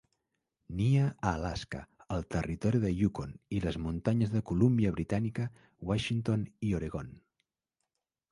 Nia a Alaska, el territori de Yukon i les muntanyes de Colúmbia Britànica, Washington i Oregon.